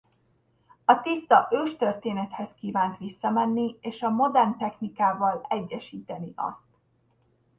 A tiszta őstörténethez kívánt visszamenni és a modern technikával egyesíteni azt.